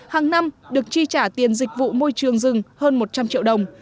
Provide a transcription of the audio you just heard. hàng năm được chi trả tiền dịch vụ môi trường rừng hơn một trăm linh triệu đồng